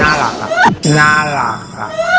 น่ารักน่ารัก